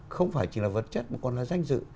không phải chỉ là vật chất mà còn là danh dự